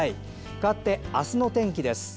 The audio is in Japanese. かわって、明日の天気です。